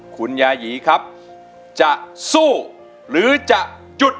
คุณยายีครับจะสู้หรือจะหยุด